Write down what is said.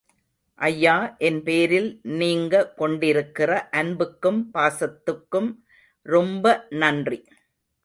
ஐயா, என்பேரில் நீங்க கொண்டிருக்கிற அன்புக்கும் பாசத்துக்கும் ரொம்ப நன்றி.